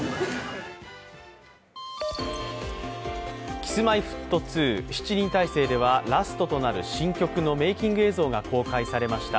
Ｋｉｓ−Ｍｙ−Ｆｔ２、７人体制ではラストとなる新曲のメイキング映像が公開されました。